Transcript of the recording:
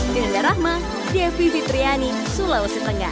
diandara hma devi fitriani sulawesi tenggara